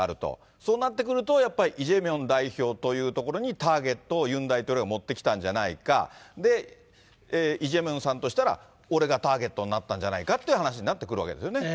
そうなってくると、やっぱりイ・ジェミョン代表というところにターゲットを、ユン大統領は持ってきたんじゃないか、イ・ジェミョンさんとしたら、俺がターゲットになったんじゃないかっていう話になってくるわけですよね。